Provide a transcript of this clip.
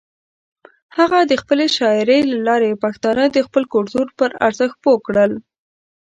هغه د خپلې شاعرۍ له لارې پښتانه د خپل کلتور پر ارزښت پوه کړل.